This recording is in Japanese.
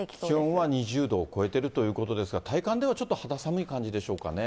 気温は２０度を超えてるということですが、体感ではちょっと肌寒い感じでしょうかね。